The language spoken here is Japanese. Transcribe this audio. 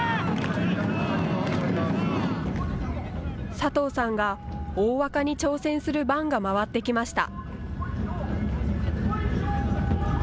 佐藤さんが大若に挑戦する番が回ってきました。